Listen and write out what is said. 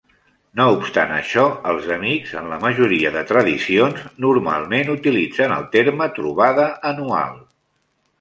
No obstant això, els amics, en la majoria de tradicions, normalment utilitzen el terme trobada anual.